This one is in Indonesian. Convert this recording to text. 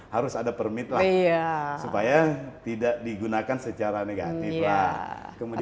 harus ada permit lah supaya tidak digunakan secara negatif lah